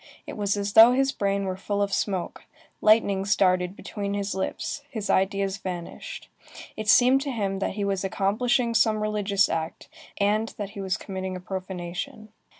It was as though his brain were full of smoke; lightnings darted between his lips; his ideas vanished; it seemed to him that he was accomplishing some religious act, and that he was committing a profanation.